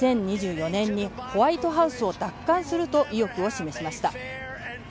２０２４年にホワイトハウスを奪還すると意欲を示しました。